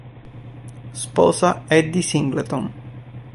Sposa Eddie Singleton.